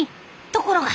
ところが。